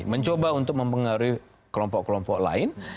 mencoba untuk mempengaruhi kelompok kelompok lain